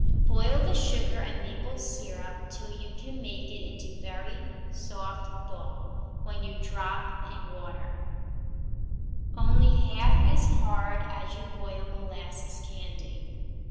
Boil the sugar and maple syrup till you can make it into a very soft ball when you drop it in water; only half as hard as you boil molasses candy.